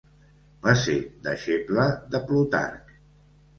Va ser deixeble de Plutarc.